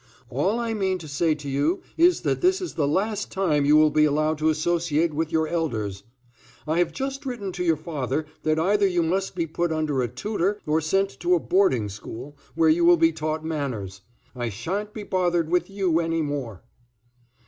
All I mean to say to you is that this is the last time you will be allowed to associate with your elders. I have just written to your father that either you must be put under a tutor or sent to a boarding school where you will be taught manners. I sha'n't be bothered with you any more."